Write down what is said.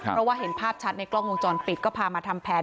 เพราะว่าเห็นภาพชัดในกล้องวงจรปิดก็พามาทำแผน